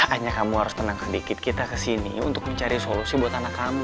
anya kamu harus tenangkan dikit kita ke sini untuk mencari solusi buat anak kamu